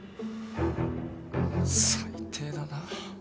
最低だな。